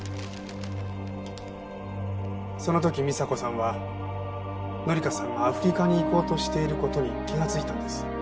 その時美沙子さんは紀香さんがアフリカに行こうとしている事に気がついたんです。